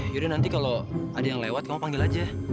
yaudah nanti kalau ada yang lewat kamu panggil aja